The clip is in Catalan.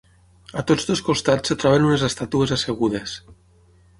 A tots dos costats es troben unes estàtues assegudes.